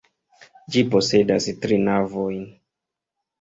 Ĝi posedas tri navojn.